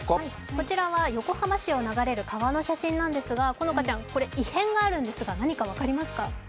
こちらは横浜市を流れる川の写真なんですが、好花ちゃん、異変があるんですが分かります？